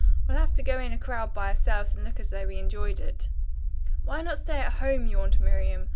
"We'll have to go in a crowd by ourselves and look as though we enjoyed it." "Why not stay at home?" yawned Miriam.